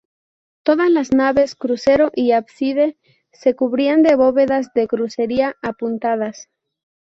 Todas las naves, crucero y ábside se cubrían de bóvedas de crucería, apuntadas.